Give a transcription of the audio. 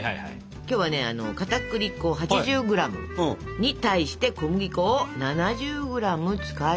今日はねかたくり粉８０ｇに対して小麦粉を７０ｇ使います。